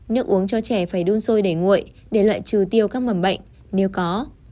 nước uống cho trẻ phải đun sôi để nguội để loại trừ tiêu các mầm bệnh nếu có